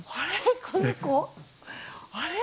あれ？